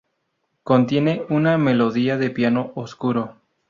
Contiene una melodía de piano oscuro.